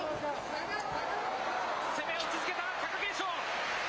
攻めを続けた貴景勝。